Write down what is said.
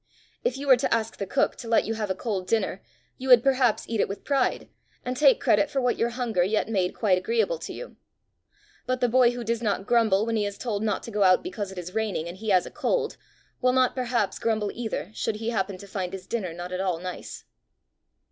If you were to ask the cook to let you have a cold dinner, you would perhaps eat it with pride, and take credit for what your hunger yet made quite agreeable to you. But the boy who does not grumble when he is told not to go out because it is raining and he has a cold, will not perhaps grumble either should he happen to find his dinner not at all nice."